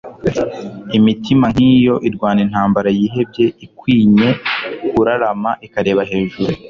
Imitima nk'iyo irwana intambara yihebye ikwinye kurarama ikareba hejuru.